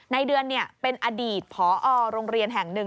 ในเดือนเป็นอดีตผอโรงเรียนแห่งหนึ่ง